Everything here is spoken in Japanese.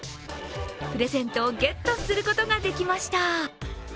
プレゼントをゲットすることができました。